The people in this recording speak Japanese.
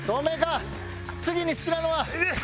次に好きなのは？